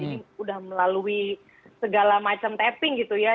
jadi udah melalui segala macam taping gitu ya